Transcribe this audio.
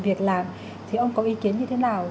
việc làm thì ông có ý kiến như thế nào